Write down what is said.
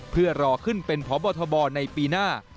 เพื่อรอขึ้นเป็นพบทบในปีหน้า